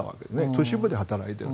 都市部で働いている。